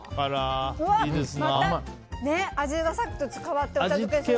また味がさっきと変わってお茶漬けにすると。